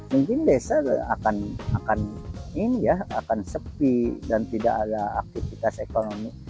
mungkin desa akan sepi dan tidak ada aktivitas ekonomi